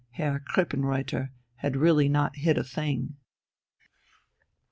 Herr Krippenreuther had really not hit a thing.